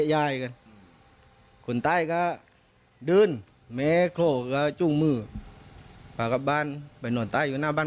ว่าเทยงั้นอยู่คุณให้ยาย